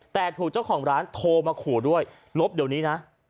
แต่ถูกเจ้าของร้านโทรมาขู่ด้วยลบเดี๋ยวนี้นะ